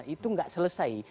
itu enggak selesai